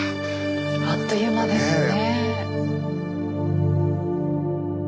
あっという間ですね。